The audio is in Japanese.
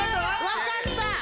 わかった！